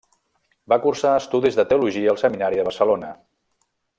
Va cursar estudis de teologia al Seminari de Barcelona.